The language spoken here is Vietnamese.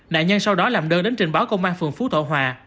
nạn nhân sau đó làm đơn đến trình báo công an phường phú thọ hòa